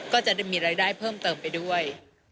ก็จะมีรายได้เพิ่มเติมไปด้วย